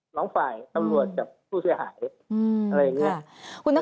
น้องฝ่ายตำรวจกับผู้เสียหายอะไรอย่างนี้